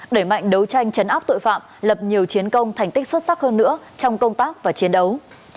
đẩy mạnh đấu tranh chấn áp tội phạm lập nhiều chiến công thành tích xuất sắc hơn nữa trong công tác và chiến đấu